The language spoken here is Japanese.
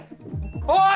おい！